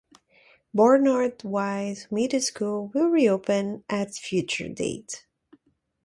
Barnard White Middle School will reopen at future date.